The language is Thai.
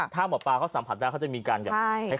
ถ้าหมอปลาเขาสัมผัสได้เขาจะมีการแบบ